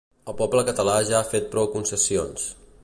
El poble català ja ha fet prou concessions.